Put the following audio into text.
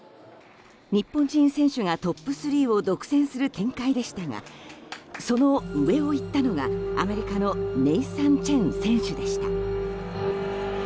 日本人選手がトップ３を独占する展開でしたがその上をいったのがアメリカのネイサン・チェン選手でした。